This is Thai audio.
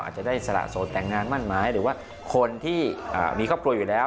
อาจจะได้สละโสดแต่งงานมั่นหมายหรือว่าคนที่มีครอบครัวอยู่แล้ว